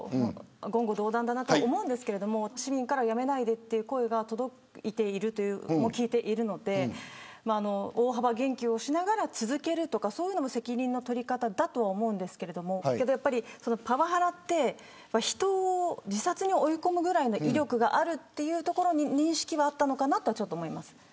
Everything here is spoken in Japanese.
言語道断だなとは思いますが市民から辞めないでという声も届いていると聞いているので大幅減給をしながら続けるというのも責任の取り方だとは思いますがでも、やっぱりパワハラは人を自殺に追い込むぐらいの威力があるっていうところに認識はあったのかなと思います。